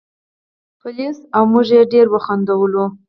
پولیس او موږ یې ډېر وخندولو.